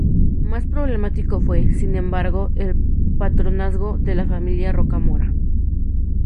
Más problemático fue, sin embargo, el patronazgo de la familia Rocamora.